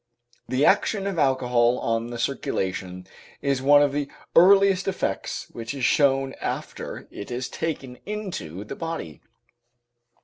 The action of alcohol on the circulation is one of the earliest effects which is shown after it is taken into the body.